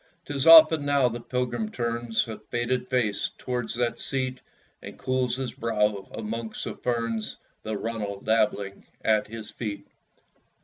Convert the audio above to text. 'Tis often now the pilgrim turns A faded face towards that seat, And cools his brow amongst the ferns; The runnel dabbling at his feet.